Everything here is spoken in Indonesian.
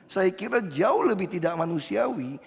saya kira jauh lebih tidak manusiawi